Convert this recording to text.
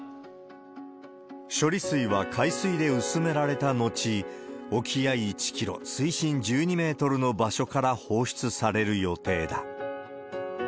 処理水は海水で薄められた後、沖合１キロ、水深１２メートルの場所から放出される予定だ。